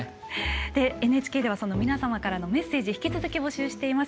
ＮＨＫでは皆様からのメッセージ引き続き募集しています。